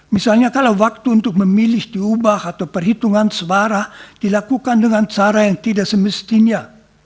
misalnya kalau waktu untuk memilih diubah atau perhitungan sebara dilakukan dengan cara yang tidak semestinya